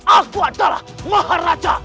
aku adalah maharaja